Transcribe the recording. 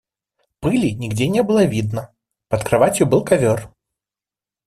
Пыли нигде не было видно, под кроватью был ковер.